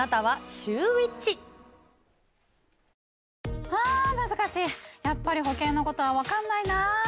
昆布、ハァ難しいやっぱり保険のことは分かんないな。